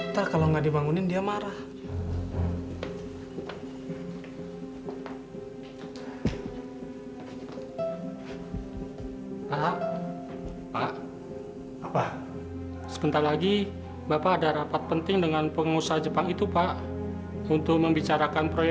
terima kasih banyak banyak